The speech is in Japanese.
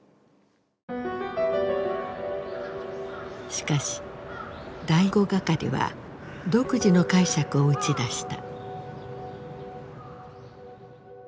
しかし第五係は独自の解釈を打ち出した。